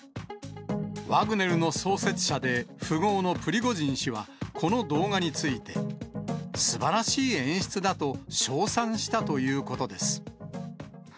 ワグネルの創設者で富豪のプリゴジン氏は、この動画について、すばらしい演出だと称賛したということです。